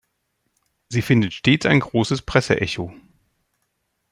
Sie findet stets ein großes Presseecho.